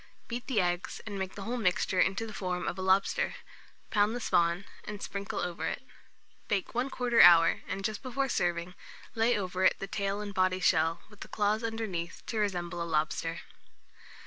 Beat the eggs, and make the whole mixture into the form of a lobster; pound the spawn, and sprinkle over it. Bake 1/4 hour, and just before serving, lay over it the tail and body shell, with the small claws underneath, to resemble a lobster.